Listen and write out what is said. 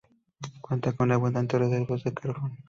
Cuenta con abundantes reservas de carbón.